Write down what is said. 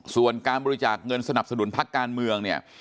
ส่วนการบริจาคเงินสนับสนุนพักการเมืองเนี่ย